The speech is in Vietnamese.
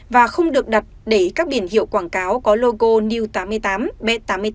và không được đặt để các biển hiệu quảng cáo có logo new tám mươi tám b tám mươi tám